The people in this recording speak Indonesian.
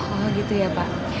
oh gitu ya pak